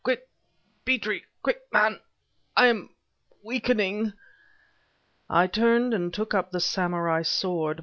"Quick, Petrie! Quick, man! I am weakening...." I turned and took up the samurai sword.